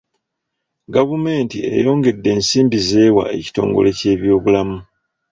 Gavumenti eyongedde ensimbi z'ewa ekitongole ky'ebyobulamu.